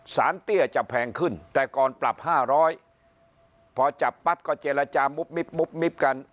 เตี้ยจะแพงขึ้นแต่ก่อนปรับ๕๐๐พอจับปั๊บก็เจรจามุบมิบมุบมิบกัน